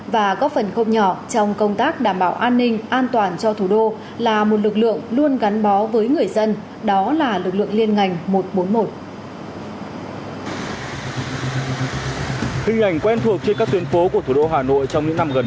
và góp phần không nhỏ trong công tác đảm bảo an ninh an toàn cho thủ đô là một lực lượng luôn gắn bó với người dân đó là lực lượng liên ngành một trăm bốn mươi một